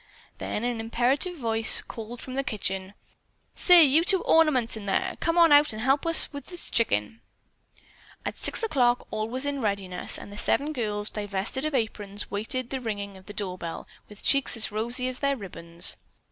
Then an imperative voice called from the kitchen: "Say, you two ornaments in there, come on out and help with this chicken." At six o'clock all was in readiness, and the seven girls, divested of aprons, waited the ringing of the door bell with cheeks as rosy as their ribbons.